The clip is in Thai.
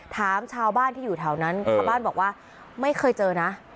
ถามชาวบ้านที่อยู่แถวนั้นชาวบ้านบอกว่าไม่เคยเจอนะ